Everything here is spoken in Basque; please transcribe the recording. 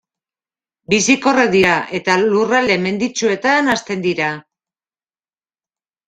Bizikorrak dira eta lurralde menditsuetan hazten dira.